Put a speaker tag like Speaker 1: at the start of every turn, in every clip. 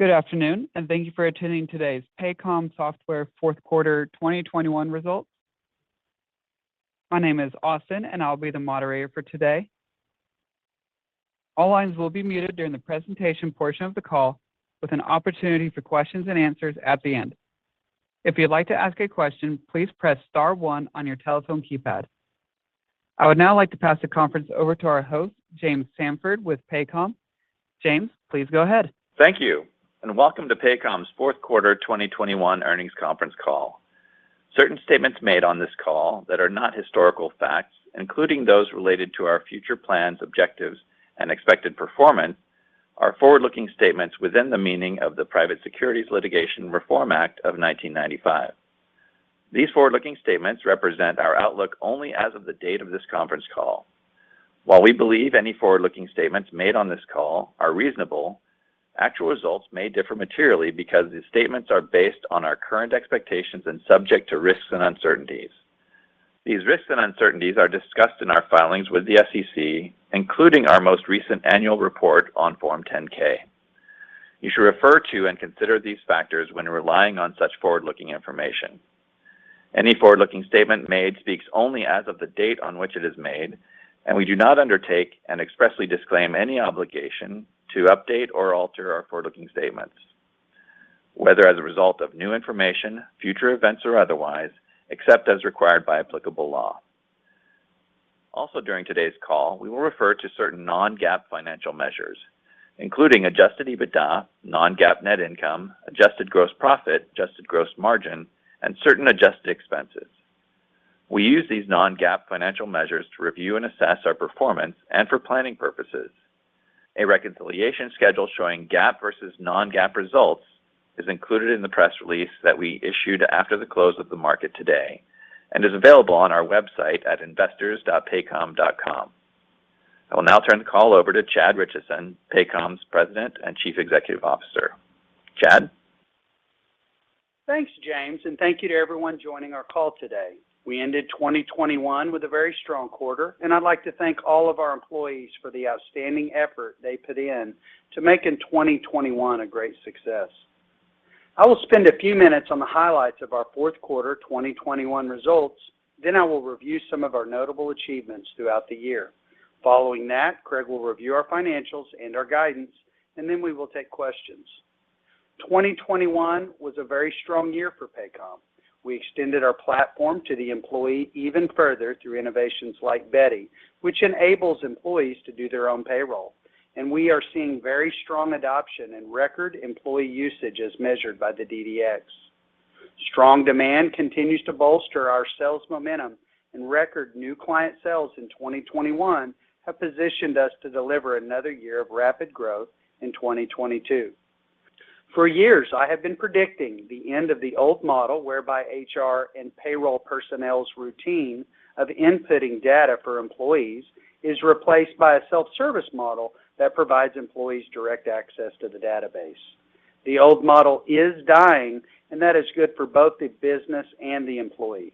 Speaker 1: Good afternoon, and thank you for attending today's Paycom Software Fourth Quarter 2021 Results. My name is Austin, and I'll be the moderator for today. All lines will be muted during the presentation portion of the call, with an opportunity for questions and answers at the end. If you'd like to ask a question, please press star one on your telephone keypad. I would now like to pass the conference over to our host, James Samford with Paycom. James, please go ahead.
Speaker 2: Thank you. Welcome to Paycom's Fourth Quarter 2021 Earnings Conference Call. Certain statements made on this call that are not historical facts, including those related to our future plans, objectives, and expected performance, are forward-looking statements within the meaning of the Private Securities Litigation Reform Act of 1995. These forward-looking statements represent our outlook only as of the date of this conference call. While we believe any forward-looking statements made on this call are reasonable, actual results may differ materially because these statements are based on our current expectations and subject to risks and uncertainties. These risks and uncertainties are discussed in our filings with the SEC, including our most recent annual report on Form 10-K. You should refer to and consider these factors when relying on such forward-looking information. Any forward-looking statement made speaks only as of the date on which it is made, and we do not undertake and expressly disclaim any obligation to update or alter our forward-looking statements, whether as a result of new information, future events, or otherwise, except as required by applicable law. Also during today's call, we will refer to certain non-GAAP financial measures, including adjusted EBITDA, non-GAAP net income, adjusted gross profit, adjusted gross margin, and certain adjusted expenses. We use these non-GAAP financial measures to review and assess our performance and for planning purposes. A reconciliation schedule showing GAAP versus non-GAAP results is included in the press release that we issued after the close of the market today and is available on our website at investors.paycom.com. I will now turn the call over to Chad Richison, Paycom's President and Chief Executive Officer. Chad?
Speaker 3: Thanks, James, and thank you to everyone joining our call today. We ended 2021 with a very strong quarter, and I'd like to thank all of our employees for the outstanding effort they put in to making 2021 a great success. I will spend a few minutes on the highlights of our fourth quarter 2021 results, then I will review some of our notable achievements throughout the year. Following that, Craig will review our financials and our guidance, and then we will take questions. 2021 was a very strong year for Paycom. We extended our platform to the employee even further through innovations like Beti, which enables employees to do their own payroll. We are seeing very strong adoption and record employee usage as measured by the DDX. Strong demand continues to bolster our sales momentum and record new client sales in 2021 have positioned us to deliver another year of rapid growth in 2022. For years, I have been predicting the end of the old model whereby HR and payroll personnel's routine of inputting data for employees is replaced by a self-service model that provides employees direct access to the database. The old model is dying, and that is good for both the business and the employee.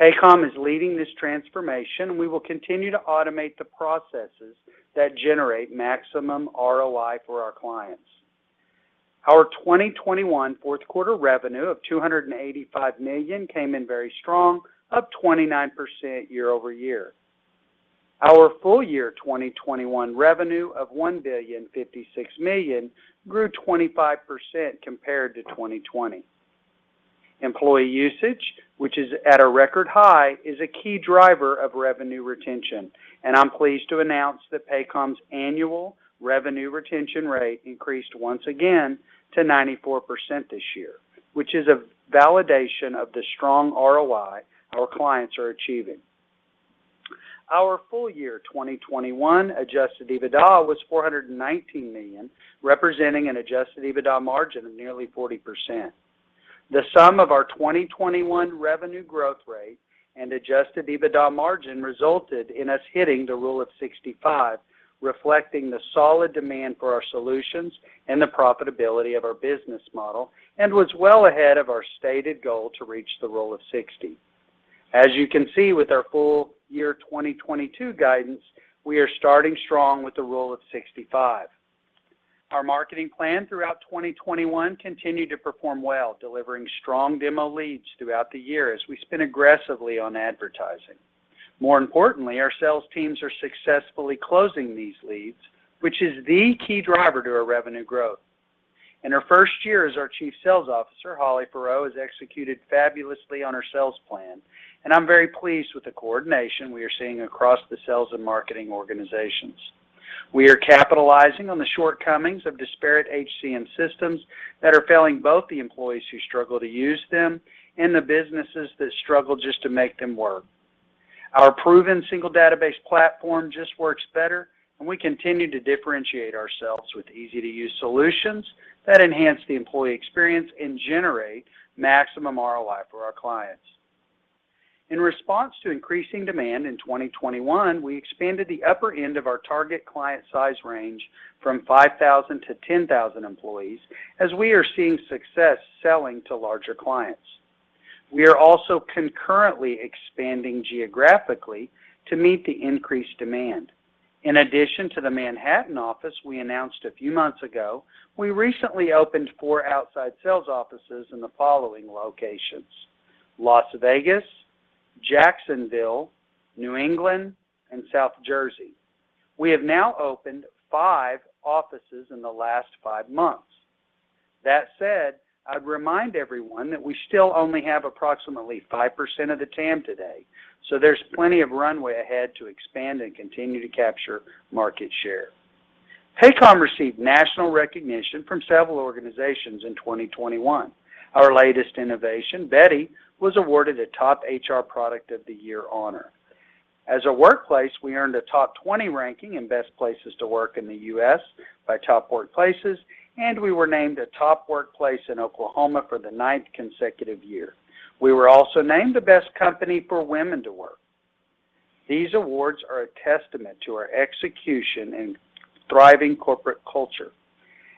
Speaker 3: Paycom is leading this transformation. We will continue to automate the processes that generate maximum ROI for our clients. Our 2021 fourth quarter revenue of $285 million came in very strong, up 29% year-over-year. Our full year 2021 revenue of $1,056 million grew 25% compared to 2020. Employee usage, which is at a record high, is a key driver of revenue retention, and I'm pleased to announce that Paycom's annual revenue retention rate increased once again to 94% this year, which is a validation of the strong ROI our clients are achieving. Our full year 2021 adjusted EBITDA was $419 million, representing an adjusted EBITDA margin of nearly 40%. The sum of our 2021 revenue growth rate and adjusted EBITDA margin resulted in us hitting the rule of 65, reflecting the solid demand for our solutions and the profitability of our business model and was well ahead of our stated goal to reach the rule of 60. As you can see with our full year 2022 guidance, we are starting strong with a rule of 65. Our marketing plan throughout 2021 continued to perform well, delivering strong demo leads throughout the year as we spent aggressively on advertising. More importantly, our sales teams are successfully closing these leads, which is the key driver to our revenue growth. In her first year as our Chief Sales Officer, Holly Faurot has executed fabulously on her sales plan, and I'm very pleased with the coordination we are seeing across the sales and marketing organizations. We are capitalizing on the shortcomings of disparate HCM systems that are failing both the employees who struggle to use them and the businesses that struggle just to make them work. Our proven single database platform just works better, and we continue to differentiate ourselves with easy-to-use solutions that enhance the employee experience and generate maximum ROI for our clients. In response to increasing demand in 2021, we expanded the upper end of our target client size range from 5,000-10,000 employees, as we are seeing success selling to larger clients. We are also concurrently expanding geographically to meet the increased demand. In addition to the Manhattan office we announced a few months ago, we recently opened four outside sales offices in the following locations: Las Vegas, Jacksonville, New England, and South Jersey. We have now opened five offices in the last five months. That said, I'd remind everyone that we still only have approximately 5% of the TAM today, so there's plenty of runway ahead to expand and continue to capture market share. Paycom received national recognition from several organizations in 2021. Our latest innovation, Beti, was awarded a top HR product of the year honor. As a workplace, we earned a top 20 ranking in best places to work in the U.S. by Top Workplaces, and we were named a top workplace in Oklahoma for the 9th consecutive year. We were also named the best company for women to work. These awards are a testament to our execution and thriving corporate culture.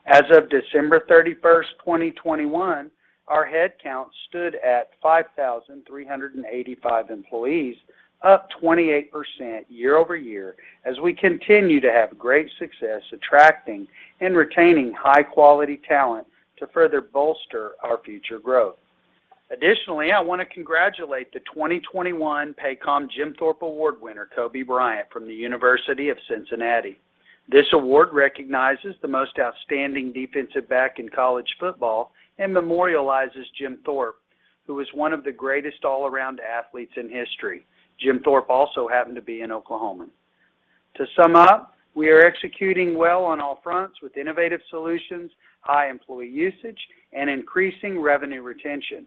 Speaker 3: As of December 31st, 2021, our head count stood at 5,385 employees, up 28% year-over-year, as we continue to have great success attracting and retaining high quality talent to further bolster our future growth. Additionally, I want to congratulate the 2021 Paycom Jim Thorpe Award winner, Coby Bryant from the University of Cincinnati. This award recognizes the most outstanding defensive back in college football and memorializes Jim Thorpe, who is one of the greatest all-around athletes in history. Jim Thorpe also happened to be an Oklahoman. To sum up, we are executing well on all fronts with innovative solutions, high employee usage, and increasing revenue retention.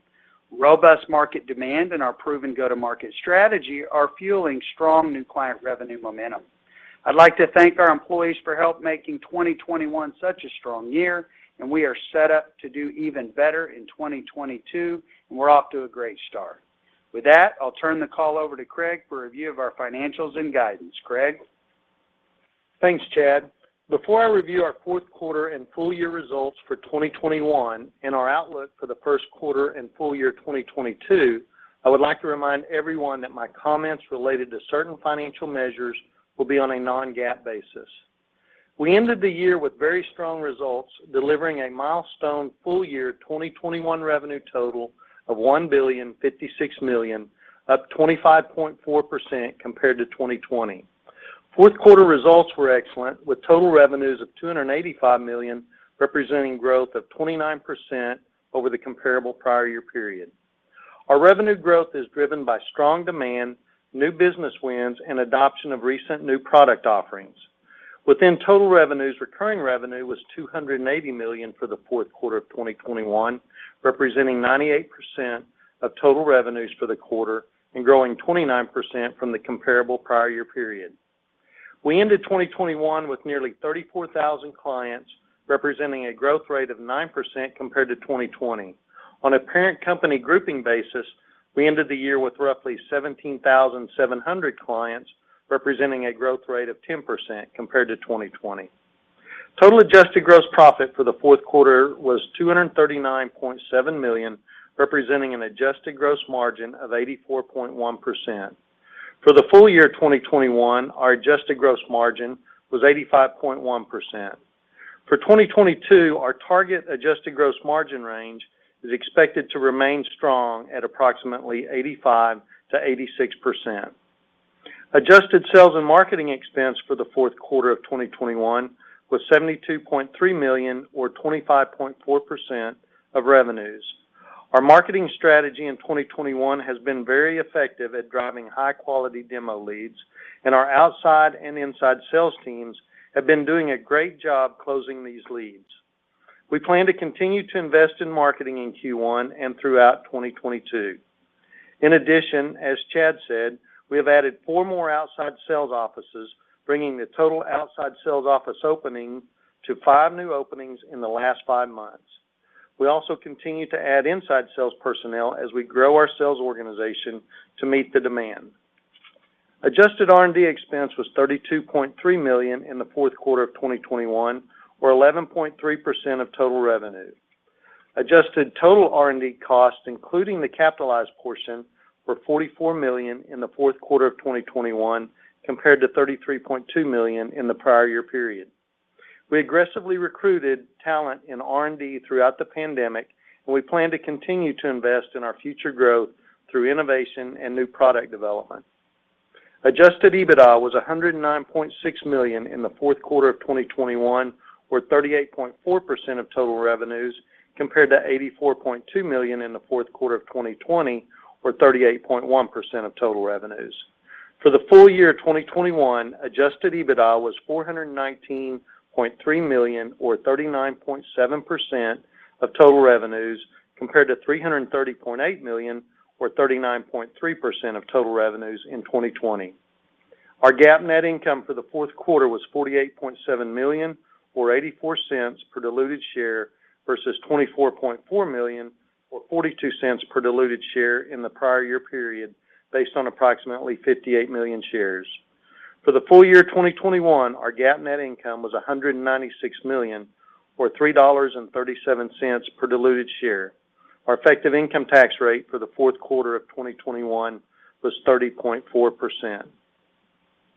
Speaker 3: Robust market demand and our proven go-to-market strategy are fueling strong new client revenue momentum. I'd like to thank our employees for help making 2021 such a strong year, and we are set up to do even better in 2022, and we're off to a great start. With that, I'll turn the call over to Craig for a review of our financials and guidance. Craig?
Speaker 4: Thanks, Chad. Before I review our fourth quarter and full year results for 2021 and our outlook for the first quarter and full year 2022, I would like to remind everyone that my comments related to certain financial measures will be on a non-GAAP basis. We ended the year with very strong results, delivering a milestone full year 2021 revenue total of $1.056 billion, up 25.4% compared to 2020. Fourth quarter results were excellent, with total revenues of $285 million, representing growth of 29% over the comparable prior year period. Our revenue growth is driven by strong demand, new business wins, and adoption of recent new product offerings. Within total revenues, recurring revenue was $280 million for the fourth quarter of 2021, representing 98% of total revenues for the quarter and growing 29% from the comparable prior year period. We ended 2021 with nearly 34,000 clients, representing a growth rate of 9% compared to 2020. On a parent company grouping basis, we ended the year with roughly 17,700 clients, representing a growth rate of 10% compared to 2020. Total adjusted gross profit for the fourth quarter was $239.7 million, representing an adjusted gross margin of 84.1%. For the full year 2021, our adjusted gross margin was 85.1%. For 2022, our target adjusted gross margin range is expected to remain strong at approximately 85%-86%. Adjusted sales and marketing expense for the fourth quarter of 2021 was $72.3 million or 25.4% of revenues. Our marketing strategy in 2021 has been very effective at driving high quality demo leads, and our outside and inside sales teams have been doing a great job closing these leads. We plan to continue to invest in marketing in Q1 and throughout 2022. In addition, as Chad said, we have added four more outside sales offices, bringing the total outside sales office opening to five new openings in the last five months. We also continue to add inside sales personnel as we grow our sales organization to meet the demand. Adjusted R&D expense was $32.3 million in the fourth quarter of 2021 or 11.3% of total revenue. Adjusted total R&D costs, including the capitalized portion, were $44 million in the fourth quarter of 2021 compared to $33.2 million in the prior year period. We aggressively recruited talent in R&D throughout the pandemic, and we plan to continue to invest in our future growth through innovation and new product development. Adjusted EBITDA was $109.6 million in the fourth quarter of 2021 or 38.4% of total revenues, compared to $84.2 million in the fourth quarter of 2020 or 38.1% of total revenues. For the full year 2021, adjusted EBITDA was $419.3 million or 39.7% of total revenues, compared to $330.8 million or 39.3% of total revenues in 2020. Our GAAP net income for the fourth quarter was $48.7 million or $0.84 per diluted share versus $24.4 million or $0.42 per diluted share in the prior year period based on approximately 58 million shares. For the full year 2021, our GAAP net income was $196 million or $3.37 per diluted share. Our effective income tax rate for the fourth quarter of 2021 was 30.4%.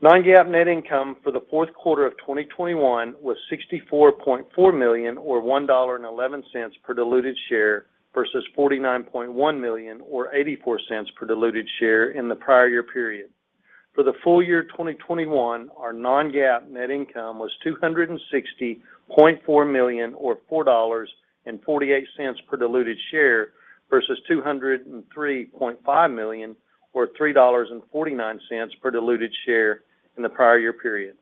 Speaker 4: Non-GAAP net income for the fourth quarter of 2021 was $64.4 million or $1.11 per diluted share versus $49.1 million or $0.84 per diluted share in the prior year period. For the full year 2021, our non-GAAP net income was $260.4 million or $4.48 per diluted share versus $203.5 million or $3.49 per diluted share in the prior year period.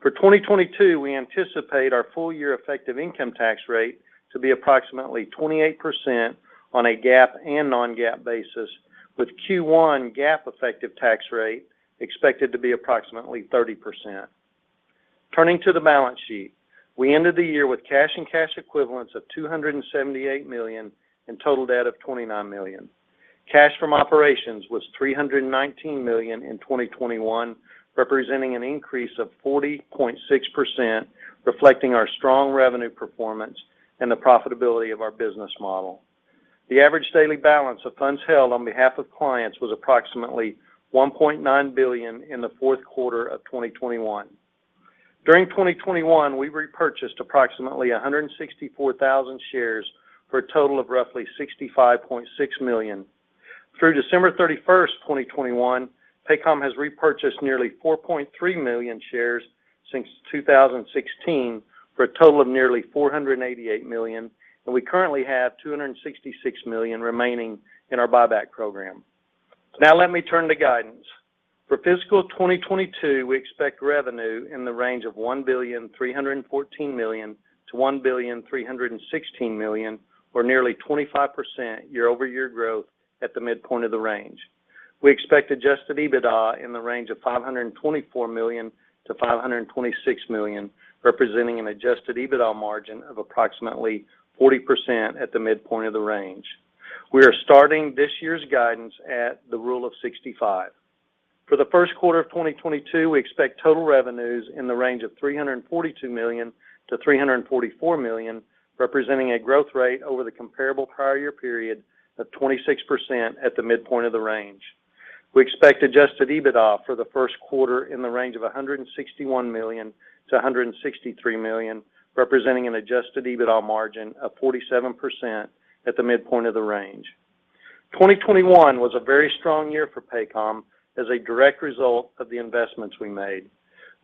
Speaker 4: For 2022, we anticipate our full year effective income tax rate to be approximately 28% on a GAAP and non-GAAP basis, with Q1 GAAP effective tax rate expected to be approximately 30%. Turning to the balance sheet. We ended the year with cash and cash equivalents of $278 million and total debt of $29 million. Cash from operations was $319 million in 2021, representing an increase of 40.6%, reflecting our strong revenue performance and the profitability of our business model. The average daily balance of funds held on behalf of clients was approximately $1.9 billion in the fourth quarter of 2021. During 2021, we repurchased approximately 164,000 shares for a total of roughly $65.6 million. Through December 31st, 2021, Paycom has repurchased nearly 4.3 million shares since 2016 for a total of nearly $488 million, and we currently have $266 million remaining in our buyback program. Now let me turn to guidance. For fiscal 2022, we expect revenue in the range of $1.314 billion-$1.316 billion or nearly 25% year-over-year growth at the midpoint of the range. We expect adjusted EBITDA in the range of $524 million-$526 million, representing an adjusted EBITDA margin of approximately 40% at the midpoint of the range. We are starting this year's guidance at the rule of 65. For the first quarter of 2022, we expect total revenues in the range of $342 million-$344 million, representing a growth rate over the comparable prior year period of 26% at the midpoint of the range. We expect adjusted EBITDA for the first quarter in the range of $161 million-$163 million, representing an adjusted EBITDA margin of 47% at the midpoint of the range. 2021 was a very strong year for Paycom as a direct result of the investments we made.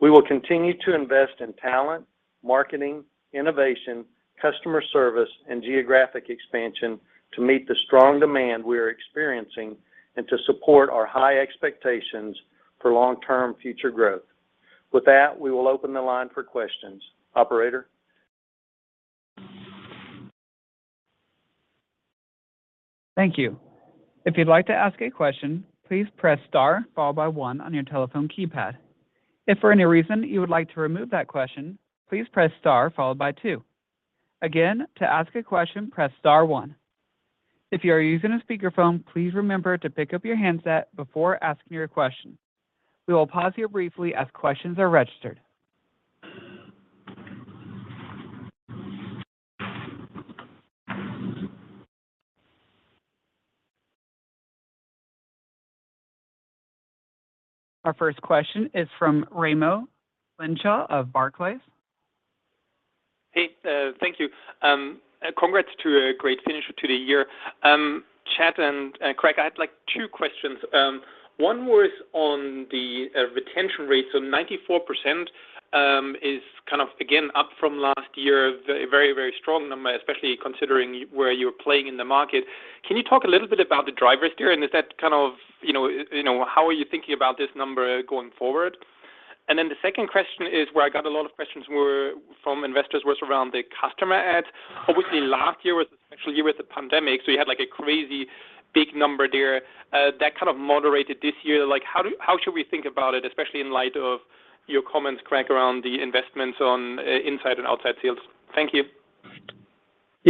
Speaker 4: We will continue to invest in talent, marketing, innovation, customer service, and geographic expansion to meet the strong demand we are experiencing and to support our high expectations for long-term future growth. With that, we will open the line for questions. Operator?
Speaker 1: Our first question is from Raimo Lenschow of Barclays.
Speaker 5: Hey, thank you. Congrats to a great finish to the year. Chad and Craig, I have like two questions. One was on the retention rate. 94% is kind of again up from last year. Very strong number, especially considering where you are playing in the market. Can you talk a little bit about the drivers there and is that kind of, you know, how are you thinking about this number going forward? The second question, where I got a lot of questions from investors, was around the customer adds. Obviously last year was a special year with the pandemic, so you had like a crazy big number there. That kind of moderated this year. Like, how should we think about it, especially in light of your comments, Craig, around the investments on inside and outside sales? Thank you.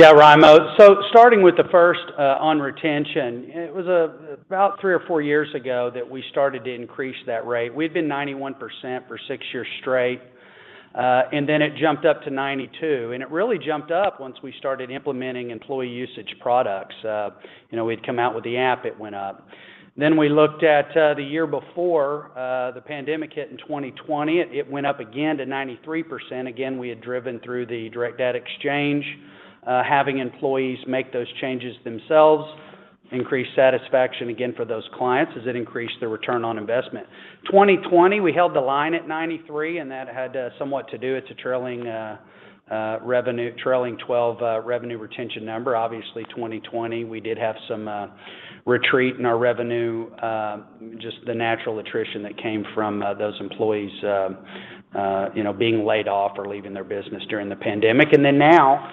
Speaker 3: Yeah, Raimo. Starting with the first on retention, it was about three or four years ago that we started to increase that rate. We'd been 91% for six years straight, and then it jumped up to 92%, and it really jumped up once we started implementing employee usage products. You know, we'd come out with the app, it went up. Then we looked at the year before the pandemic hit in 2020, it went up again to 93%. Again, we had driven through the Direct Data Exchange, having employees make those changes themselves, increase satisfaction again for those clients as it increased their return on investment. 2020, we held the line at 93%, and that had somewhat to do. It's a trailing 12 revenue retention number. Obviously 2020, we did have some retreat in our revenue, just the natural attrition that came from those employees, you know, being laid off or leaving their business during the pandemic. Then now,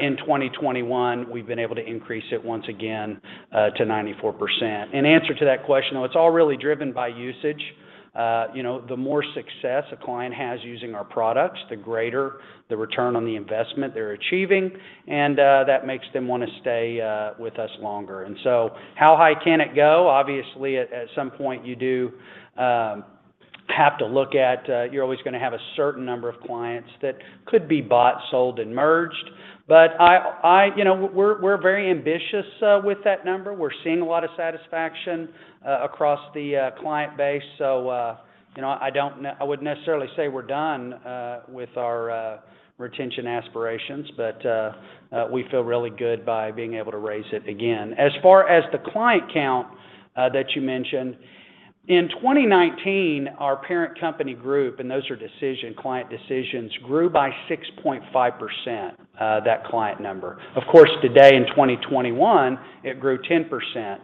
Speaker 3: in 2021, we've been able to increase it once again to 94%. In answer to that question, though, it's all really driven by usage. You know, the more success a client has using our products, the greater the return on the investment they're achieving, and that makes them want to stay with us longer. How high can it go? Obviously, at some point you do, Have to look at, you're always gonna have a certain number of clients that could be bought, sold, and merged. You know, we're very ambitious with that number. We're seeing a lot of satisfaction across the client base, so, you know, I wouldn't necessarily say we're done with our retention aspirations. We feel really good by being able to raise it again. As far as the client count that you mentioned, in 2019, our parent company group and those are client decisions grew by 6.5% that client number. Of course, today in 2021, it grew 10%.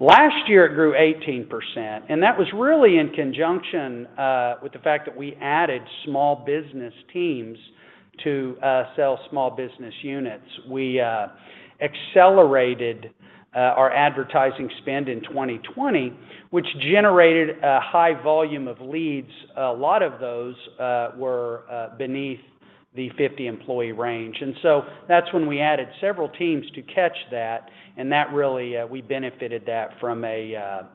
Speaker 3: Last year it grew 18%, and that was really in conjunction with the fact that we added small business teams to sell small business units. We accelerated our advertising spend in 2020, which generated a high volume of leads. A lot of those were beneath the 50 employee range. That's when we added several teams to catch that, and that really we benefited that from a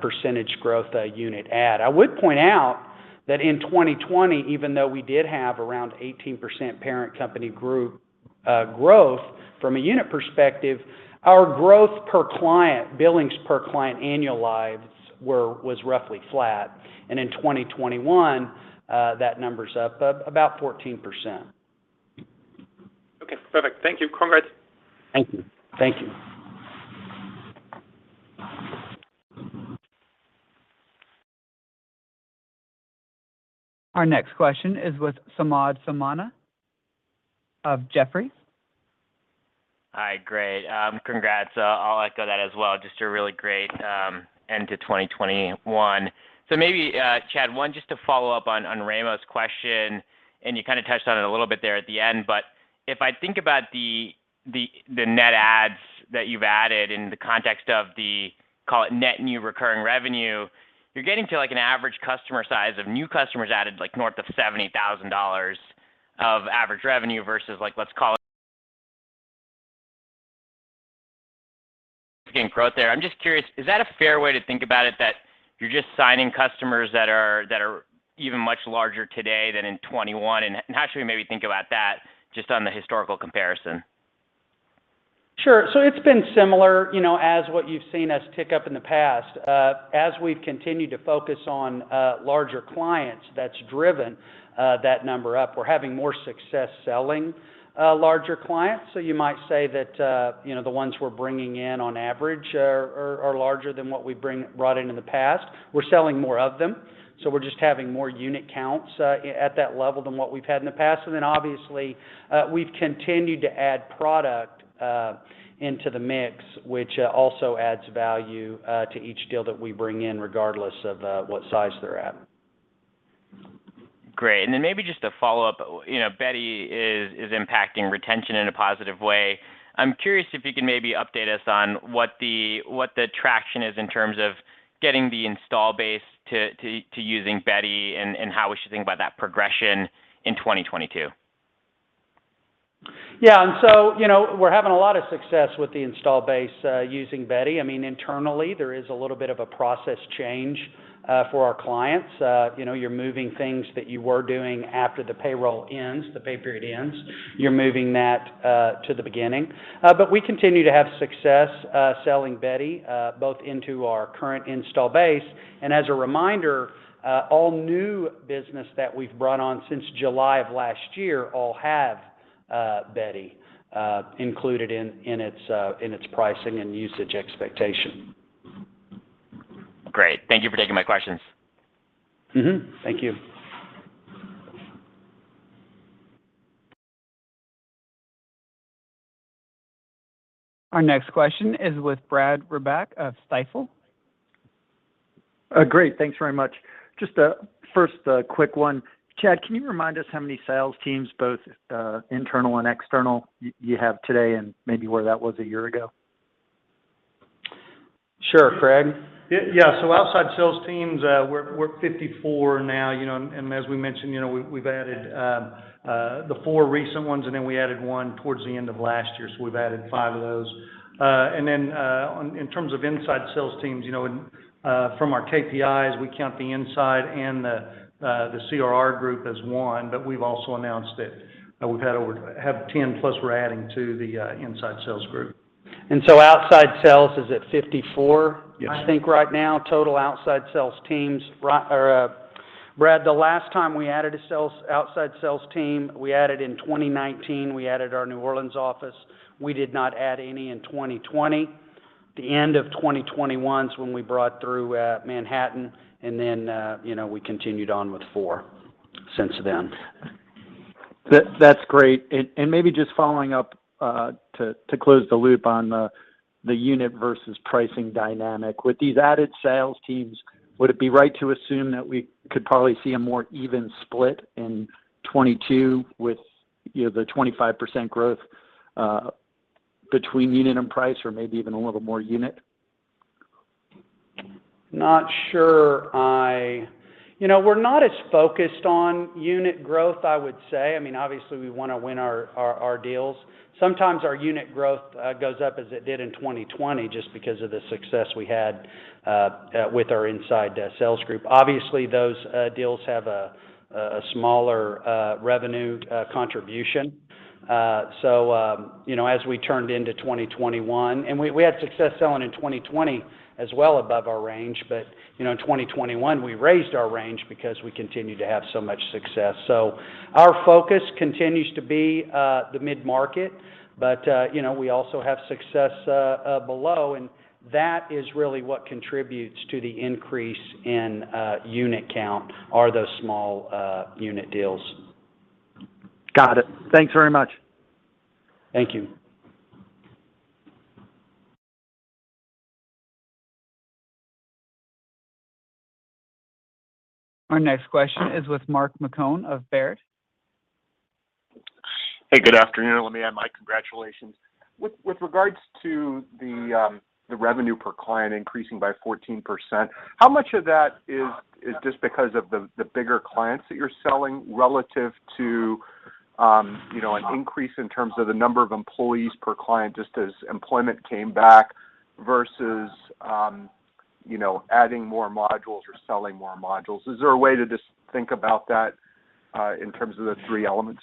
Speaker 3: percentage growth unit add. I would point out that in 2020, even though we did have around 18% parent company group growth, from a unit perspective, our growth per client, billings per client annual lives was roughly flat. In 2021, that number's up about 14%.
Speaker 5: Okay, perfect. Thank you. Congrats.
Speaker 3: Thank you. Thank you.
Speaker 1: Our next question is with Samad Samana of Jefferies.
Speaker 6: Hi. Great. Congrats. I'll echo that as well, just a really great end to 2021. Maybe, Chad, one, just to follow up on Raimo's question, and you kinda touched on it a little bit there at the end. If I think about the net adds that you've added in the context of the, call it net new recurring revenue, you're getting to, like, an average customer size of new customers added, like, north of $70,000 of average revenue versus, like, let's call it
Speaker 3: Sure. It's been similar, you know, as what you've seen us tick up in the past. As we've continued to focus on larger clients, that's driven that number up. We're having more success selling larger clients, so you might say that, you know, the ones we're bringing in on average are larger than what we bring, brought in in the past. We're selling more of them, so we're just having more unit counts at that level than what we've had in the past. Obviously, we've continued to add product into the mix, which also adds value to each deal that we bring in, regardless of what size they're at.
Speaker 6: Great. Maybe just to follow up, you know, Beti is impacting retention in a positive way. I'm curious if you can maybe update us on what the traction is in terms of getting the install base to using Beti and how we should think about that progression in 2022.
Speaker 3: Yeah, you know, we're having a lot of success with the install base using Beti. I mean, internally, there is a little bit of a process change for our clients. You know, you're moving things that you were doing after the payroll ends, the pay period ends. You're moving that to the beginning. We continue to have success selling Beti both into our current install base. As a reminder, all new business that we've brought on since July of last year all have Beti included in its pricing and usage expectation.
Speaker 6: Great. Thank you for taking my questions.
Speaker 3: Mm-hmm. Thank you.
Speaker 1: Our next question is with Brad Reback of Stifel.
Speaker 7: Great. Thanks very much. Just a first, quick one. Chad, can you remind us how many sales teams, both internal and external, you have today, and maybe where that was a year ago?
Speaker 3: Sure. Craig?
Speaker 4: Yeah, outside sales teams, we're 54 now, you know, and as we mentioned, you know, we've added the four recent ones and then we added one towards the end of last year. We've added five of those. In terms of inside sales teams, you know, from our KPIs, we count the inside and the CRR group as one, but we've also announced that we've had over 10, plus we're adding to the inside sales group.
Speaker 3: Outside sales is at 54-
Speaker 4: Yes
Speaker 3: I think right now total outside sales teams. Brad, the last time we added a sales, outside sales team, we added in 2019, we added our New Orleans office. We did not add any in 2020. The end of 2021 is when we brought through Manhattan and then, you know, we continued on with four since then.
Speaker 7: That's great. Maybe just following up to close the loop on the unit versus pricing dynamic. With these added sales teams, would it be right to assume that we could probably see a more even split in 2022 with the 25% growth between unit and price, or maybe even a little more unit?
Speaker 3: You know, we're not as focused on unit growth, I would say. I mean, obviously, we wanna win our deals. Sometimes our unit growth goes up as it did in 2020 just because of the success we had with our inside sales group. Obviously, those deals have a smaller revenue contribution. So, you know, as we turned into 2021. We had success selling in 2020 as well above our range. You know, in 2021, we raised our range because we continued to have so much success. Our focus continues to be the mid-market, but you know, we also have success below, and that is really what contributes to the increase in unit count are those small unit deals.
Speaker 7: Got it. Thanks very much.
Speaker 3: Thank you.
Speaker 1: Our next question is with Mark Marcon of Baird.
Speaker 8: Hey, good afternoon. Let me add my congratulations. With regards to the revenue per client increasing by 14%, how much of that is just because of the bigger clients that you're selling relative to an increase in terms of the number of employees per client just as employment came back versus adding more modules or selling more modules? Is there a way to just think about that in terms of the three elements?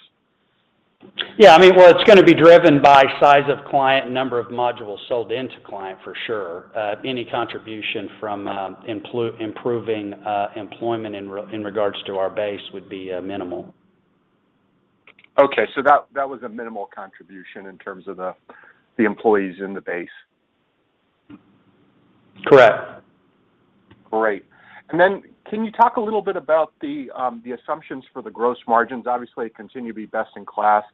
Speaker 3: Yeah. I mean, well, it's gonna be driven by size of client, number of modules sold into client for sure. Any contribution from improving employment in regards to our base would be minimal.
Speaker 8: Okay. That was a minimal contribution in terms of the employees in the base.
Speaker 3: Correct.
Speaker 8: Great. Can you talk a little bit about the assumptions for the gross margins? Obviously, it continue to be best in class.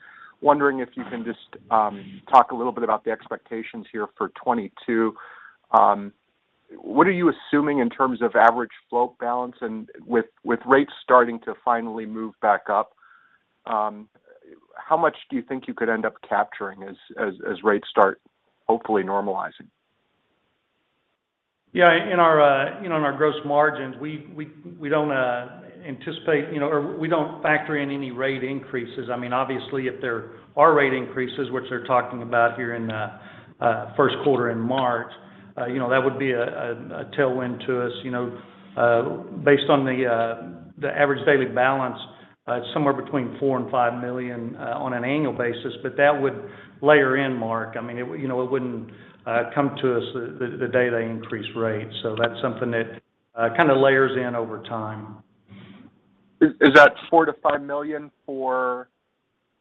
Speaker 8: Wondering if you can just talk a little bit about the expectations here for 2022. What are you assuming in terms of average float balance and with rates starting to finally move back up, how much do you think you could end up capturing as rates start hopefully normalizing?
Speaker 4: Yeah. In our gross margins, we don't anticipate or we don't factor in any rate increases. I mean, obviously if there are rate increases, which they're talking about here in first quarter in March, you know, that would be a tailwind to us, you know. Based on the average daily balance, it's somewhere between $4 million-$5 million on an annual basis, but that would layer in, Mark. I mean, it, you know, it wouldn't come to us the day they increase rates. That's something that kind of layers in over time.
Speaker 8: Is that $4 million-$5 million for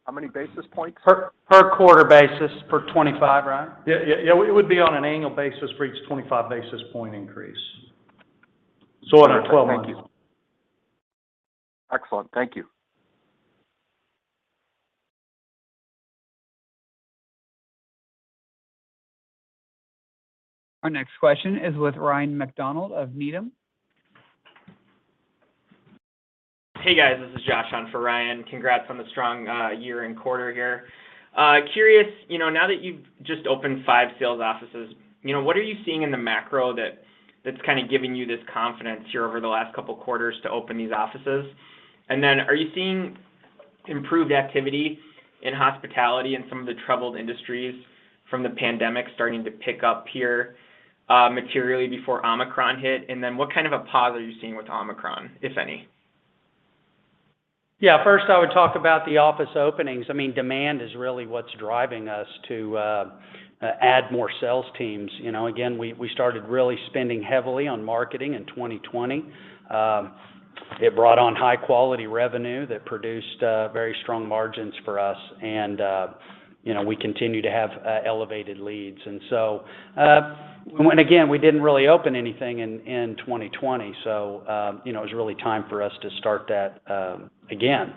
Speaker 8: how many basis points?
Speaker 3: Per quarter basis per 25, right?
Speaker 4: Yeah. It would be on an annual basis for each 25 basis point increase. On our 12-month.
Speaker 8: Thank you. Excellent. Thank you.
Speaker 1: Our next question is with Ryan MacDonald of Needham.
Speaker 9: Hey, guys. This is Josh on for Ryan. Congrats on the strong year and quarter here. Curious, you know, now that you've just opened five sales offices, you know, what are you seeing in the macro that's kinda giving you this confidence here over the last couple quarters to open these offices? And then are you seeing improved activity in hospitality and some of the troubled industries from the pandemic starting to pick up here materially before Omicron hit? And then what kind of a pause are you seeing with Omicron, if any?
Speaker 3: Yeah. First, I would talk about the office openings. I mean, demand is really what's driving us to add more sales teams. You know, again, we started really spending heavily on marketing in 2020. It brought on high quality revenue that produced very strong margins for us. You know, we continue to have elevated leads. Again, we didn't really open anything in 2020, so you know, it was really time for us to start that again.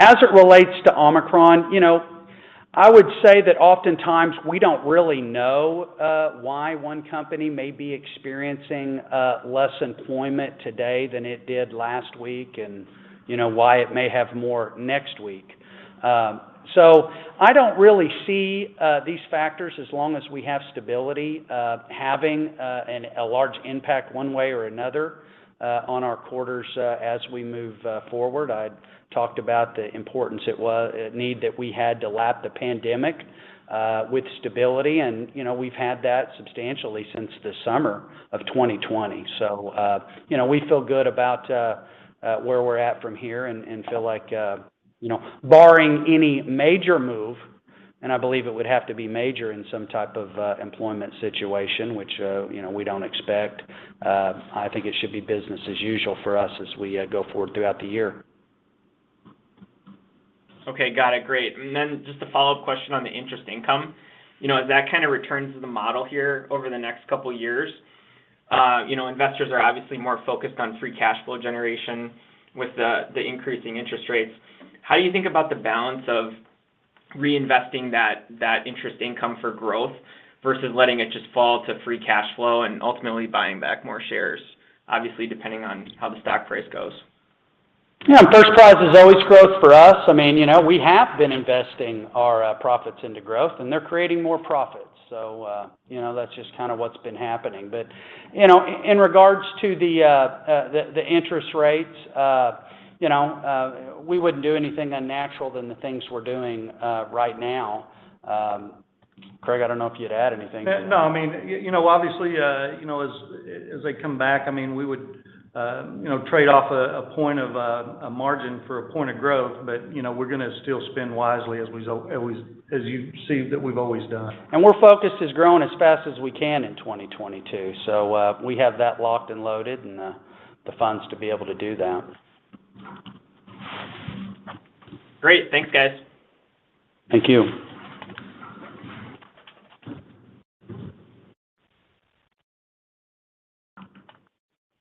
Speaker 3: As it relates to Omicron, you know, I would say that oftentimes we don't really know why one company may be experiencing less employment today than it did last week and you know, why it may have more next week. I don't really see these factors as long as we have stability having a large impact one way or another on our quarters as we move forward. I'd talked about the importance of the need that we had to lap the pandemic with stability. You know, we've had that substantially since the summer of 2020. You know, we feel good about where we're at from here and feel like, you know, barring any major move, and I believe it would have to be major in some type of employment situation, which, you know, we don't expect. I think it should be business as usual for us as we go forward throughout the year.
Speaker 9: Okay. Got it. Great. Just a follow-up question on the interest income. You know, as that kind of returns to the model here over the next couple years, you know, investors are obviously more focused on free cash flow generation with the increasing interest rates. How do you think about the balance of reinvesting that interest income for growth versus letting it just fall to free cash flow and ultimately buying back more shares, obviously depending on how the stock price goes?
Speaker 3: Yeah, first prize is always growth for us. I mean, you know, we have been investing our profits into growth, and they're creating more profits. You know, that's just kind of what's been happening. You know, in regards to the interest rates, you know, we wouldn't do anything other than the things we're doing right now. Craig, I don't know if you'd add anything.
Speaker 4: No, no, I mean, you know, obviously, you know, as they come back, I mean, we would, you know, trade off a point of margin for a point of growth. But, you know, we're gonna still spend wisely as you see that we've always done.
Speaker 3: We're focused on growing as fast as we can in 2022. We have that locked and loaded and the funds to be able to do that.
Speaker 9: Great. Thanks, guys.
Speaker 3: Thank you.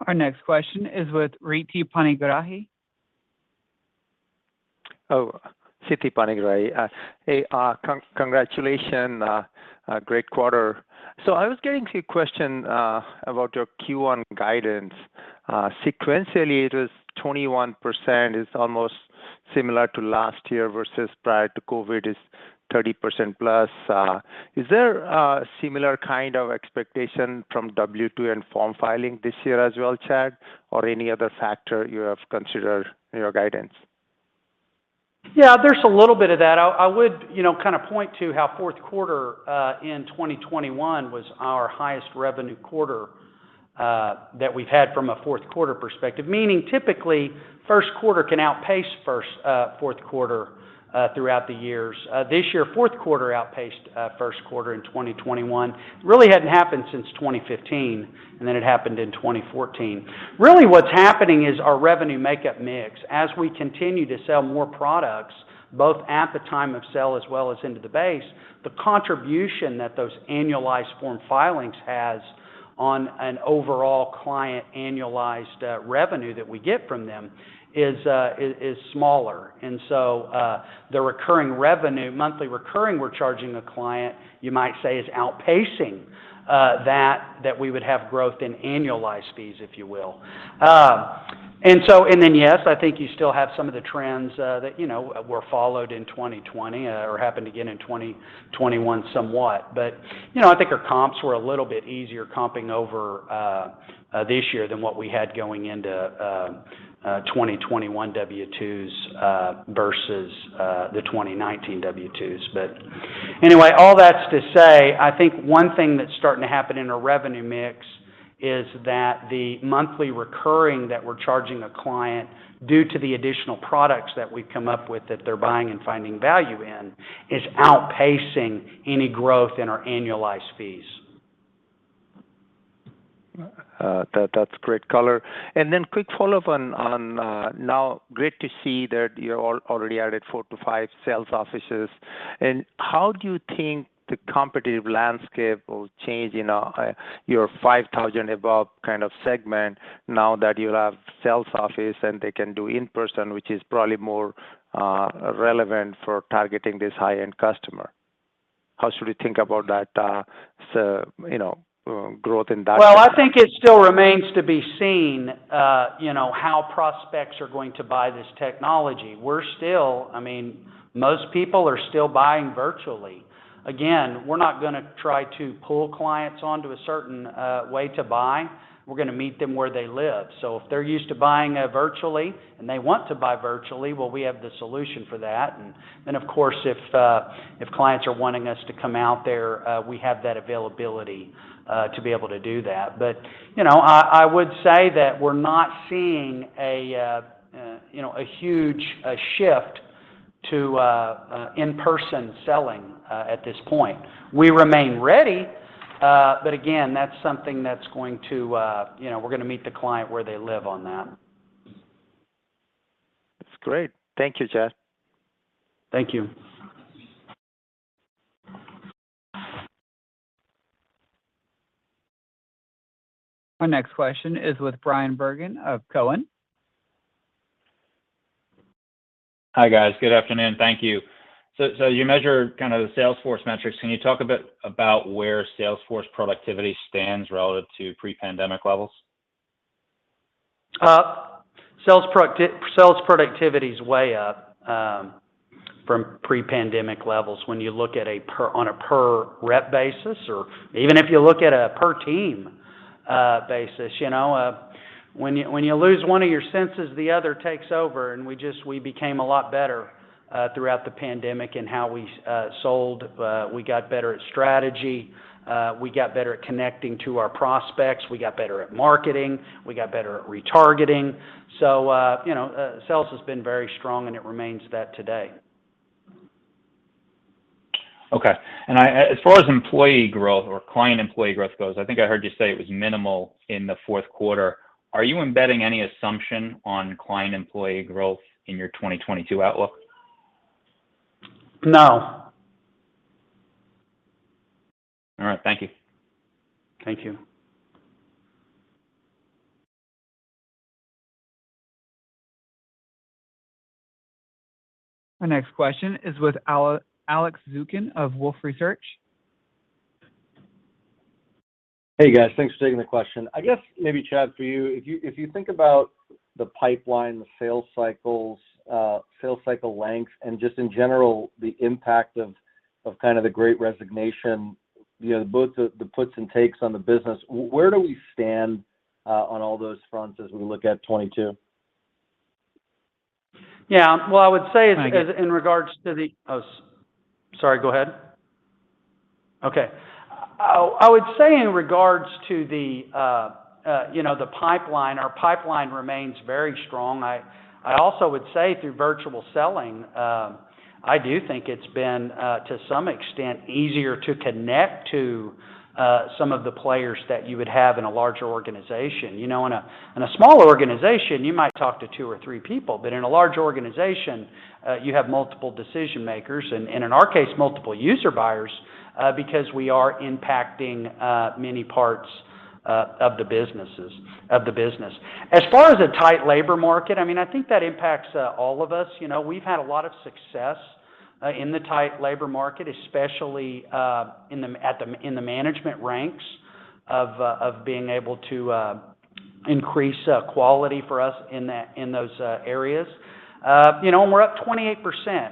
Speaker 1: Our next question is with Siti Panigrahi.
Speaker 10: Siti Panigrahi. Hey, congratulations. Great quarter. I was getting to a question about your Q1 guidance. Sequentially, it was 21% is almost similar to last year versus prior to COVID is 30%+. Is there a similar kind of expectation from W-2 and form filing this year as well, Chad, or any other factor you have considered in your guidance?
Speaker 3: Yeah, there's a little bit of that. I would, you know, kind of point to how fourth quarter in 2021 was our highest revenue quarter that we've had from a fourth quarter perspective, meaning typically first quarter can outpace fourth quarter throughout the years. This year, fourth quarter outpaced first quarter in 2021. Really hadn't happened since 2015, and then it happened in 2014. Really what's happening is our revenue makeup mix. As we continue to sell more products, both at the time of sale as well as into the base, the contribution that those annualized form filings has on an overall client annualized revenue that we get from them is smaller. The recurring revenue, monthly recurring we're charging a client, you might say, is outpacing that we would have growth in annualized fees, if you will. Yes, I think you still have some of the trends that you know were followed in 2020 or happened again in 2021 somewhat. You know, I think our comps were a little bit easier comping over this year than what we had going into 2021 W-2s versus the 2019 W-2s. Anyway, all that's to say, I think one thing that's starting to happen in our revenue mix is that the monthly recurring that we're charging a client due to the additional products that we've come up with that they're buying and finding value in is outpacing any growth in our annualized fees.
Speaker 10: That's great color. Then quick follow up on, now great to see that you're already added four to five sales sales offices. How do you think the competitive landscape will change in your $5,000 above kind of segment now that you have sales office and they can do in-person, which is probably more relevant for targeting this high-end customer? How should we think about that, so you know, growth in that.
Speaker 3: Well, I think it still remains to be seen, you know, how prospects are going to buy this technology. I mean, most people are still buying virtually. Again, we're not gonna try to pull clients onto a certain way to buy. We're gonna meet them where they live. If they're used to buying virtually and they want to buy virtually, well, we have the solution for that. Of course, if clients are wanting us to come out there, we have that availability to be able to do that. You know, I would say that we're not seeing a huge shift to in-person selling at this point. We remain ready, but again, that's something that's going to, you know, we're gonna meet the client where they live on that.
Speaker 10: That's great. Thank you, Chad.
Speaker 3: Thank you.
Speaker 1: Our next question is with Bryan Bergin of Cowen.
Speaker 11: Hi, guys. Good afternoon. Thank you. How do you measure kind of the sales force metrics? Can you talk a bit about where sales force productivity stands relative to pre-pandemic levels?
Speaker 3: Sales productivity is way up from pre-pandemic levels when you look at on a per rep basis or even if you look at a per team basis, you know. When you lose one of your senses, the other takes over, and we became a lot better throughout the pandemic in how we sold. We got better at strategy, we got better at connecting to our prospects, we got better at marketing, we got better at retargeting. You know, sales has been very strong, and it remains that today.
Speaker 11: Okay. I, as far as employee growth or client employee growth goes, I think I heard you say it was minimal in the fourth quarter. Are you embedding any assumption on client employee growth in your 2022 outlook?
Speaker 3: No.
Speaker 11: All right. Thank you.
Speaker 3: Thank you.
Speaker 1: Our next question is with Alex Zukin of Wolfe Research.
Speaker 12: Hey guys, thanks for taking the question. I guess maybe, Chad, for you, if you think about the pipeline, the sales cycles, sales cycle length, and just in general, the impact of kind of the great resignation, you know, both the puts and takes on the business, where do we stand on all those fronts as we look at 2022?
Speaker 3: Yeah. Well, I would say.
Speaker 12: Thank you.
Speaker 3: Sorry, go ahead. Okay. I would say in regards to the pipeline, our pipeline remains very strong. I also would say through virtual selling, I do think it's been to some extent easier to connect to some of the players that you would have in a larger organization. You know, in a smaller organization, you might talk to two or three people, but in a large organization, you have multiple decision makers and in our case, multiple user buyers because we are impacting many parts of the business. As far as a tight labor market, I mean, I think that impacts all of us. You know, we've had a lot of success in the tight labor market, especially in the management ranks of being able to increase quality for us in those areas. You know, we're up 28%.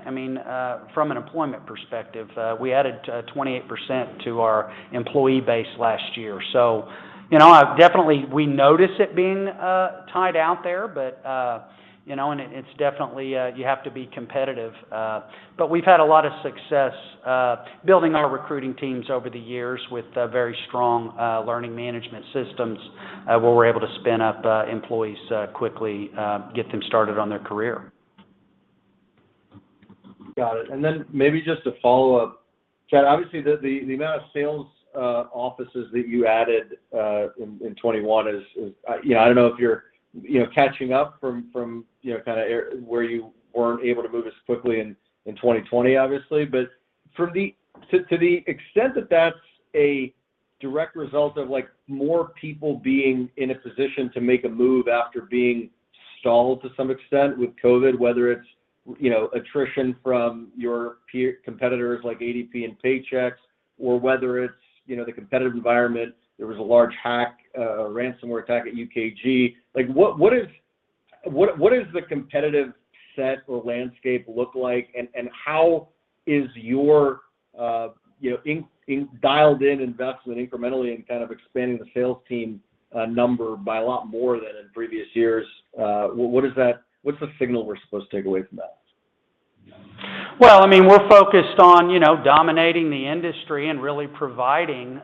Speaker 3: I mean, from an employment perspective, we added 28% to our employee base last year. You know, I've definitely noticed it being tight out there, but you know, it's definitely you have to be competitive. But we've had a lot of success building our recruiting teams over the years with very strong learning management systems, where we're able to spin up employees quickly, get them started on their career.
Speaker 12: Got it. Maybe just a follow-up. Chad, obviously the amount of sales offices that you added in 2021 is, I don't know if you're, you know, catching up from where you weren't able to move as quickly in 2020, obviously. To the extent that that's a direct result of, like, more people being in a position to make a move after being stalled to some extent with COVID, whether it's, you know, attrition from your peer competitors like ADP and Paychex, or whether it's, you know, the competitive environment, there was a large hack, a ransomware attack at UKG. Like, what is, what is the competitive set or landscape look like, and how is your dialed in investment incrementally in kind of expanding the sales team number by a lot more than in previous years? What's the signal we're supposed to take away from that?
Speaker 3: Well, I mean, we're focused on, you know, dominating the industry and really providing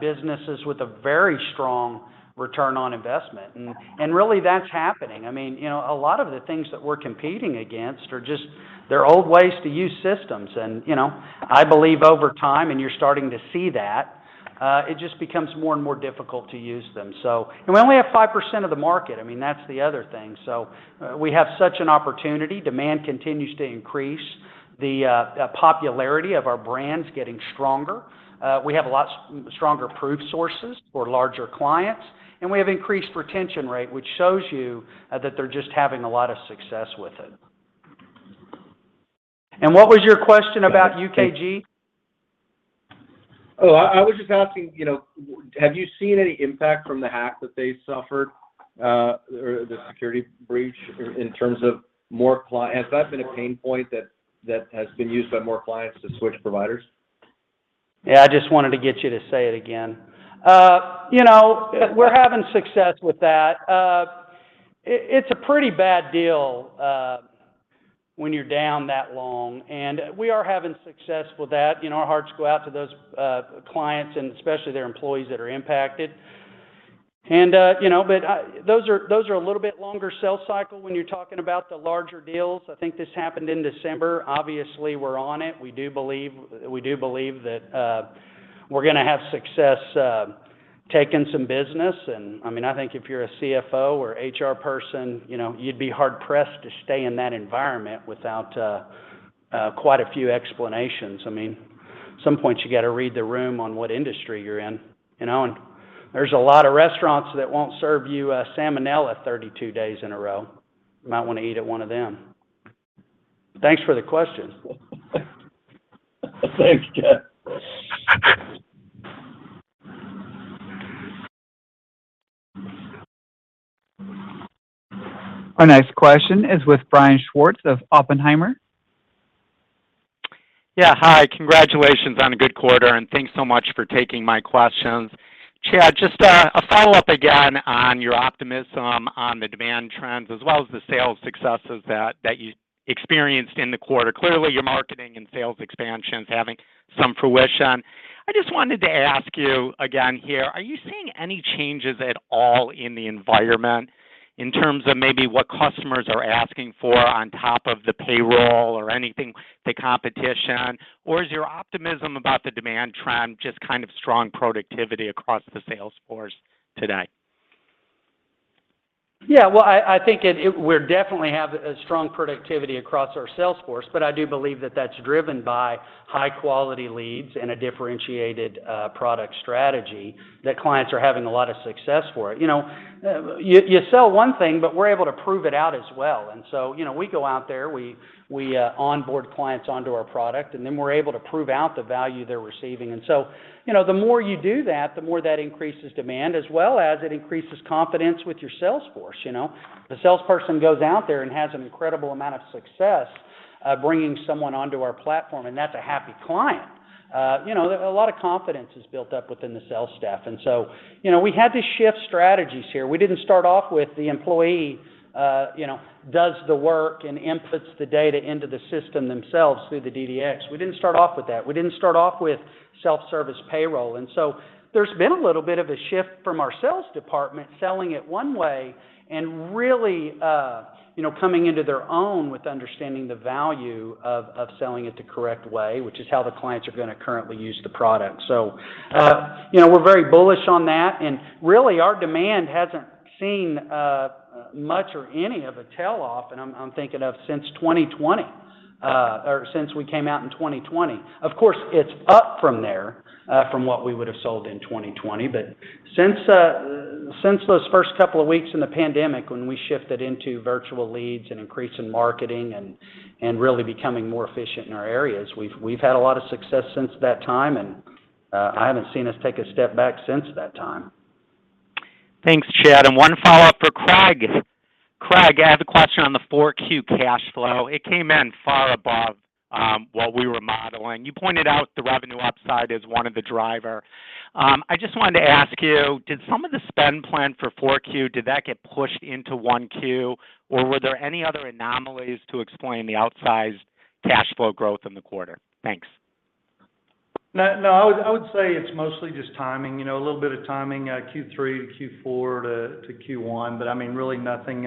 Speaker 3: businesses with a very strong return on investment. Really that's happening. I mean, you know, a lot of the things that we're competing against are just, they're old ways to use systems and, you know. I believe over time, and you're starting to see that, it just becomes more and more difficult to use them. We only have 5% of the market. I mean, that's the other thing. We have such an opportunity. Demand continues to increase. The popularity of our brand's getting stronger. We have stronger proof sources for larger clients, and we have increased retention rate, which shows you that they're just having a lot of success with it. What was your question about UKG?
Speaker 12: I was just asking, you know, have you seen any impact from the hack that they suffered or the security breach in terms of more clients? Has that been a pain point that has been used by more clients to switch providers?
Speaker 3: Yeah, I just wanted to get you to say it again. You know, we're having success with that. It's a pretty bad deal when you're down that long, and we are having success with that. You know, our hearts go out to those clients and especially their employees that are impacted. You know, but those are a little bit longer sales cycle when you're talking about the larger deals. I think this happened in December. Obviously, we're on it. We do believe that we're gonna have success taking some business. I mean, I think if you're a CFO or HR person, you know, you'd be hard pressed to stay in that environment without quite a few explanations. I mean, at some point you gotta read the room on what industry you're in, you know? There's a lot of restaurants that won't serve you, salmonella 32 days in a row. You might wanna eat at one of them. Thanks for the question.
Speaker 12: Thanks, Chad.
Speaker 1: Our next question is with Brian Schwartz of Oppenheimer.
Speaker 13: Yeah. Hi. Congratulations on a good quarter, and thanks so much for taking my questions. Chad, just a follow-up again on your optimism on the demand trends as well as the sales successes that you experienced in the quarter. Clearly, your marketing and sales expansion's having some fruition. I just wanted to ask you again here, are you seeing any changes at all in the environment in terms of maybe what customers are asking for on top of the payroll or anything, the competition? Or is your optimism about the demand trend just kind of strong productivity across the sales force today?
Speaker 3: Yeah. Well, I think we're definitely have a strong productivity across our sales force, but I do believe that that's driven by high-quality leads and a differentiated product strategy that clients are having a lot of success for it. You know, you sell one thing, but we're able to prove it out as well. You know, we go out there, we onboard clients onto our product, and then we're able to prove out the value they're receiving. You know, the more you do that, the more that increases demand as well as it increases confidence with your sales force, you know. The salesperson goes out there and has an incredible amount of success bringing someone onto our platform, and that's a happy client. You know, a lot of confidence is built up within the sales staff. You know, we had to shift strategies here. We didn't start off with the employee, you know, does the work and inputs the data into the system themselves through the DDX. We didn't start off with self-service payroll. There's been a little bit of a shift from our sales department selling it one way and really, you know, coming into their own with understanding the value of selling it the correct way, which is how the clients are gonna currently use the product. You know, we're very bullish on that, and really our demand hasn't seen much or any of a tail off, and I'm thinking of since 2020, or since we came out in 2020. Of course, it's up from there, from what we would have sold in 2020. Since those first couple of weeks in the pandemic when we shifted into virtual leads and increase in marketing and really becoming more efficient in our areas, we've had a lot of success since that time, and I haven't seen us take a step back since that time.
Speaker 13: Thanks, Chad. One follow-up for Craig. Craig, I have a question on the 4Q cash flow. It came in far above what we were modeling. You pointed out the revenue upside as one of the driver. I just wanted to ask you, did some of the spend plan for 4Q, did that get pushed into 1Q, or were there any other anomalies to explain the outsized cash flow growth in the quarter? Thanks.
Speaker 4: No, I would say it's mostly just timing. You know, a little bit of timing, Q3 to Q4 to Q1, but I mean, really nothing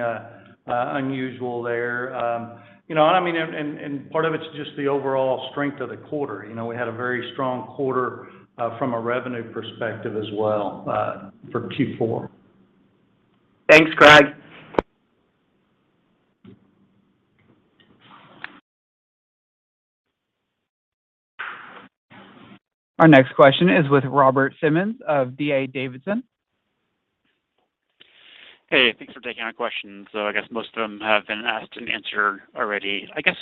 Speaker 4: unusual there. You know, I mean, part of it's just the overall strength of the quarter. You know, we had a very strong quarter from a revenue perspective as well for Q4.
Speaker 13: Thanks, Craig.
Speaker 1: Our next question is with Robert Simmons of D.A. Davidson.
Speaker 14: Hey, thanks for taking my questions. I guess most of them have been asked and answered already. I guess,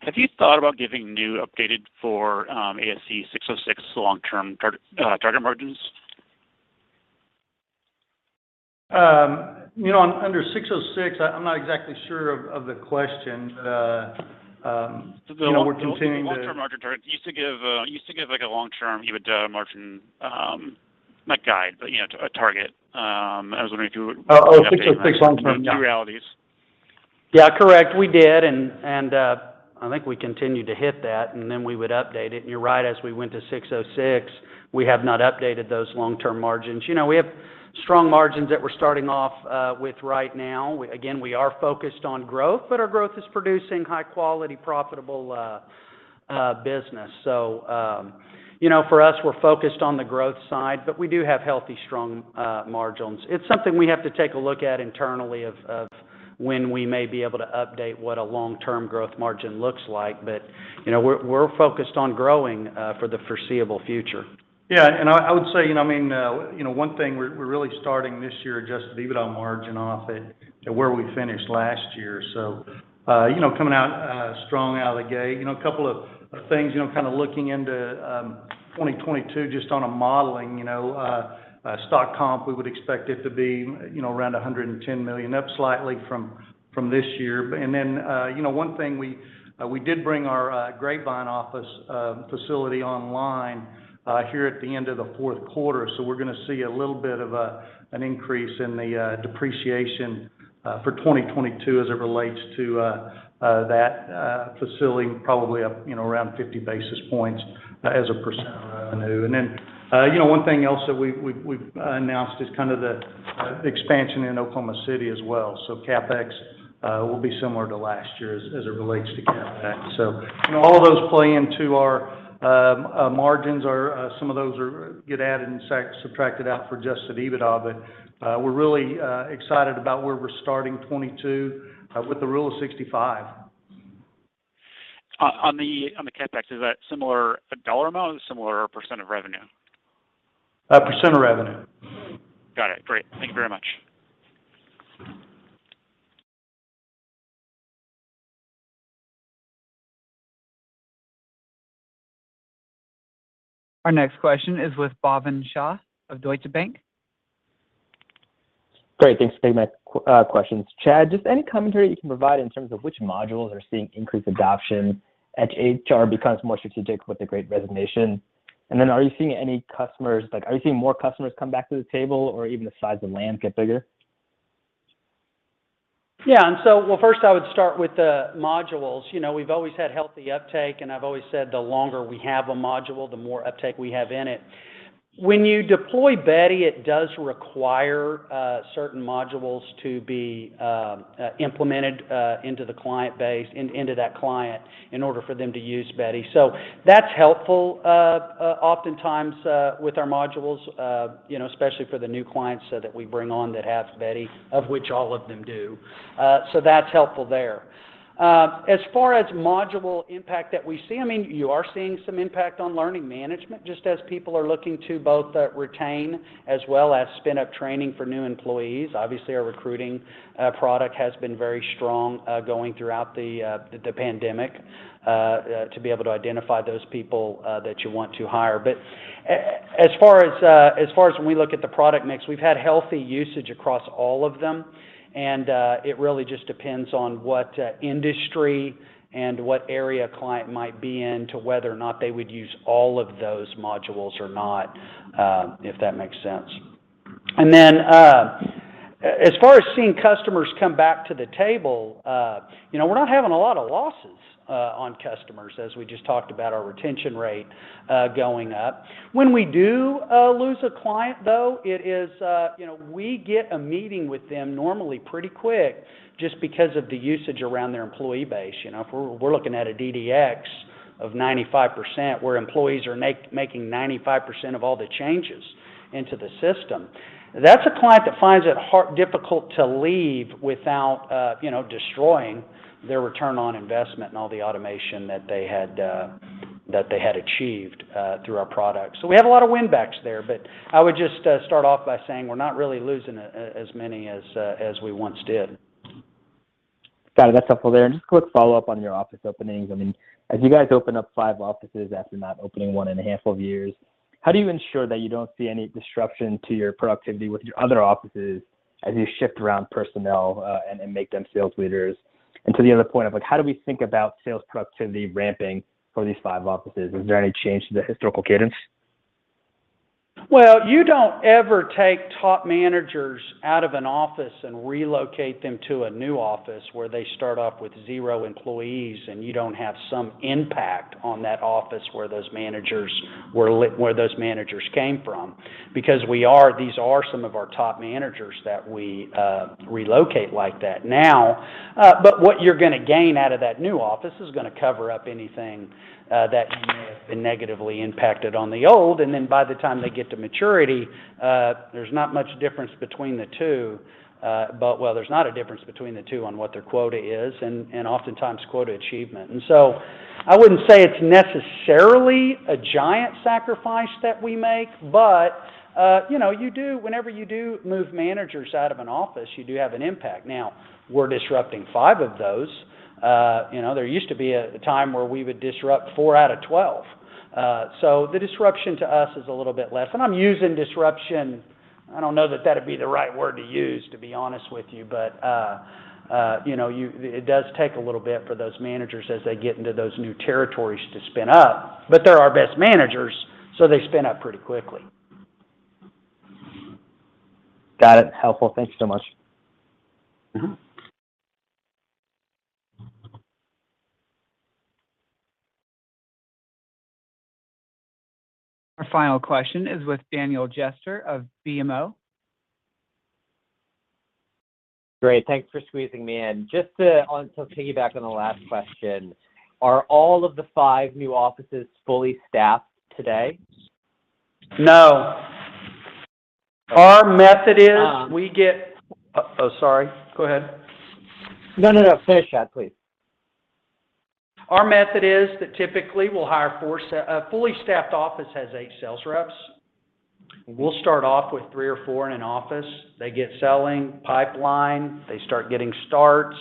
Speaker 14: have you thought about giving new updated for ASC 606 long-term target margins?
Speaker 4: You know, under 606, I'm not exactly sure of the question. You know, we're continuing to
Speaker 14: The long-term margin target. You used to give, like, a long-term EBITDA margin, not guide, but, you know, a target. I was wondering if you would update on those new realities.
Speaker 3: ASC 606 long term. Yeah, correct. We did. I think we continued to hit that, and then we would update it. You're right, as we went to ASC 606, we have not updated those long-term margins. You know, we have strong margins that we're starting off with right now. Again, we are focused on growth, but our growth is producing high-quality, profitable business. You know, for us, we're focused on the growth side, but we do have healthy, strong margins. It's something we have to take a look at internally of when we may be able to update what a long-term growth margin looks like. You know, we're focused on growing for the foreseeable future.
Speaker 4: Yeah. I would say, you know, I mean, you know, one thing we're really starting this year, adjusted EBITDA margin off at where we finished last year. You know, coming out strong out of the gate. You know, a couple of things, you know, kind of looking into 2022 just on a modeling, you know, stock comp, we would expect it to be, you know, around $110 million, up slightly from this year. You know, one thing we did bring our Grapevine office facility online here at the end of the fourth quarter. We're gonna see a little bit of an increase in the depreciation for 2022 as it relates to that facility, probably up, you know, around 50 basis points as a percent of our revenue. One thing else that we've announced is the expansion in Oklahoma City as well. CapEx will be similar to last year as it relates to CapEx. All of those play into our margins or some of those are added and subtracted out for adjusted EBITDA. We're really excited about where we're starting 2022 with the rule of 65.
Speaker 14: On the CapEx, is that similar dollar amount or similar percent of revenue?
Speaker 4: Percent of revenue.
Speaker 14: Got it. Great. Thank you very much.
Speaker 1: Our next question is with Bhavin Shah of Deutsche Bank.
Speaker 15: Great. Thanks for taking my questions. Chad, just any commentary you can provide in terms of which modules are seeing increased adoption as HR becomes more strategic with the great resignation? And then are you seeing any customers. Like, are you seeing more customers come back to the table or even the size of land get bigger?
Speaker 3: Yeah. Well, first I would start with the modules. You know, we've always had healthy uptake, and I've always said the longer we have a module, the more uptake we have in it. When you deploy Beti, it does require certain modules to be implemented into the client base, into that client in order for them to use Beti. That's helpful, oftentimes, with our modules, you know, especially for the new clients that we bring on that have Beti, of which all of them do. That's helpful there. As far as module impact that we see, I mean, you are seeing some impact on learning management, just as people are looking to both, retain as well as spin up training for new employees. Obviously, our recruiting product has been very strong, going throughout the pandemic, to be able to identify those people that you want to hire. As far as when we look at the product mix, we've had healthy usage across all of them, and it really just depends on what industry and what area a client might be in to whether or not they would use all of those modules or not, if that makes sense. Then, as far as seeing customers come back to the table, you know, we're not having a lot of losses on customers as we just talked about our retention rate going up. When we do lose a client though, it is, you know, we get a meeting with them normally pretty quick just because of the usage around their employee base. You know, if we're looking at a DDX of 95% where employees are making 95% of all the changes into the system, that's a client that finds it difficult to leave without, you know, destroying their return on investment and all the automation that they had achieved through our products. We have a lot of win backs there, but I would just start off by saying we're not really losing as many as we once did.
Speaker 15: Got it. That's helpful there. Just a quick follow-up on your office openings. I mean, as you guys open up five offices after not opening one in a handful of years, how do you ensure that you don't see any disruption to your productivity with your other offices as you shift around personnel, and make them sales leaders? To the other point of like, how do we think about sales productivity ramping for these five offices? Is there any change to the historical cadence?
Speaker 3: Well, you don't ever take top managers out of an office and relocate them to a new office where they start off with zero employees and you don't have some impact on that office where those managers came from. These are some of our top managers that we relocate like that. Now, what you're gonna gain out of that new office is gonna cover up anything that you may have negatively impacted on the old, and then by the time they get to maturity, there's not much difference between the two. Well, there's not a difference between the two on what their quota is and oftentimes quota achievement. I wouldn't say it's necessarily a giant sacrifice that we make, but you know, whenever you do move managers out of an office, you do have an impact. Now we're disrupting five of those. You know, there used to be a time where we would disrupt four out of 12. The disruption to us is a little bit less. I'm using disruption, I don't know that it'd be the right word to use, to be honest with you. You know, it does take a little bit for those managers as they get into those new territories to spin up. They're our best managers, so they spin up pretty quickly.
Speaker 15: Got it. Helpful. Thank you so much.
Speaker 3: Mm-hmm.
Speaker 1: Our final question is with Daniel Jester of BMO.
Speaker 16: Great. Thanks for squeezing me in. Piggyback on the last question, are all of the five new offices fully staffed today?
Speaker 3: No. Our method is.
Speaker 16: Ah.
Speaker 3: Oh, sorry. Go ahead.
Speaker 16: No, no. Finish, Chad, please.
Speaker 3: Our method is that typically we'll hire. A fully staffed office has eight sales reps. We'll start off with three or four in an office. They get selling pipeline, they start getting starts.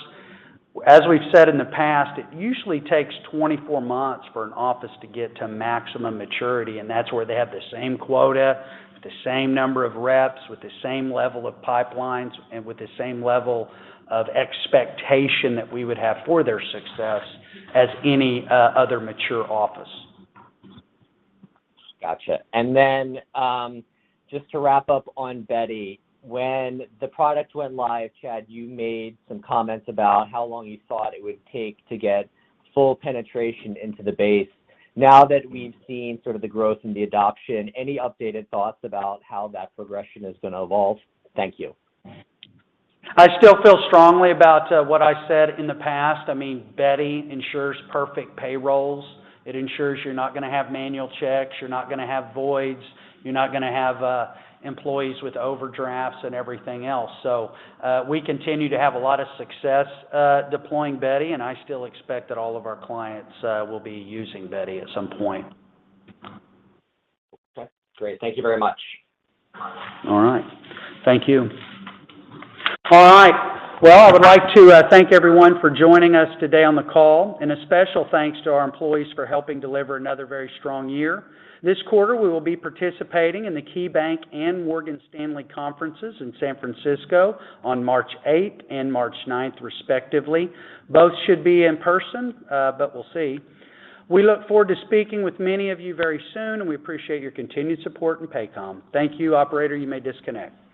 Speaker 3: As we've said in the past, it usually takes 24 months for an office to get to maximum maturity, and that's where they have the same quota, the same number of reps with the same level of pipelines and with the same level of expectation that we would have for their success as any other mature office.
Speaker 16: Gotcha. Then, just to wrap up on Beti, when the product went live, Chad, you made some comments about how long you thought it would take to get full penetration into the base. Now that we've seen sort of the growth and the adoption, any updated thoughts about how that progression is gonna evolve? Thank you.
Speaker 3: I still feel strongly about what I said in the past. I mean, Beti ensures perfect payrolls. It ensures you're not gonna have manual checks, you're not gonna have voids, you're not gonna have employees with overdrafts and everything else. We continue to have a lot of success deploying Beti, and I still expect that all of our clients will be using Beti at some point.
Speaker 16: Okay, great. Thank you very much.
Speaker 3: All right. Thank you. All right. Well, I would like to thank everyone for joining us today on the call, and a special thanks to our employees for helping deliver another very strong year. This quarter, we will be participating in the KeyBanc and Morgan Stanley conferences in San Francisco on March 8th and March 9th respectively. Both should be in person, but we'll see. We look forward to speaking with many of you very soon, and we appreciate your continued support in Paycom. Thank you, operator. You may disconnect.